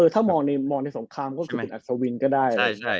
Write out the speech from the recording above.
ถ้ามองในส่วนข้างก็คืออัศวินก็ได้